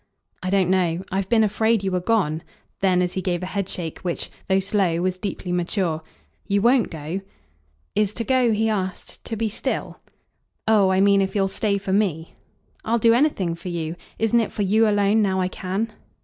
"I don't know. I've been afraid you were gone." Then as he gave a headshake which, though slow, was deeply mature: "You WON'T go?" "Is to 'go,'" he asked, "to be still?" "Oh I mean if you'll stay for me." "I'll do anything for you. Isn't it for you alone now I can?"